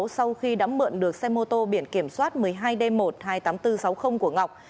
sau khi đã mượn được xe mô tô biển kiểm soát một mươi hai d một trăm hai mươi tám nghìn bốn trăm sáu mươi của ngọc